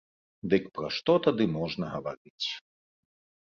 Дык пра што тады можна гаварыць.